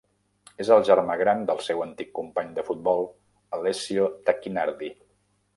És el germà gran del seu antic company de futbol Alessio Tacchinardi.